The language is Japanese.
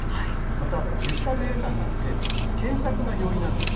またデジタルデータなので検索が容易なんです。